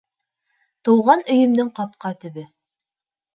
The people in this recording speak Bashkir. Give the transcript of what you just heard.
Тыуған өйөмдөң ҡапҡа төбө.